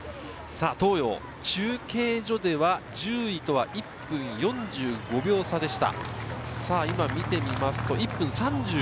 東洋、中継所では１０位とは１分４５秒差でした。